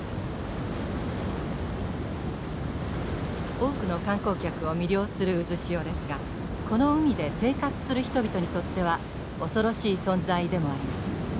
多くの観光客を魅了する渦潮ですがこの海で生活する人々にとっては恐ろしい存在でもあります。